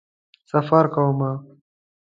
سفر کومه